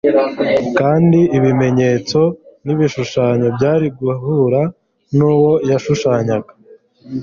kandi ibimenyetso n'ibishushanyo byari guhura n'uwo byashushanyaga.